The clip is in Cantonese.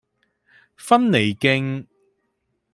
芬尼徑